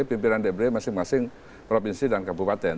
pimpinan dpd masing masing provinsi dan kabupaten